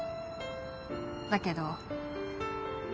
だけど。